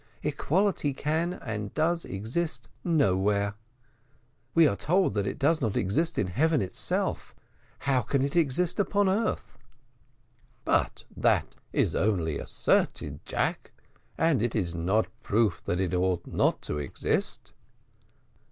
Equality can and does exist nowhere. We are told that it does not exist in heaven itself how can it exist upon earth?" "But that is only asserted, Jack, and it is not proof that it ought not to exist."